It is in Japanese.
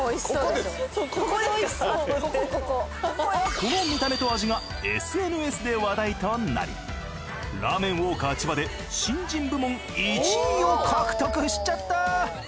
この見た目と味がＳＮＳで話題となり『ラーメンＷａｌｋｅｒ千葉』で新人部門１位を獲得しちゃった！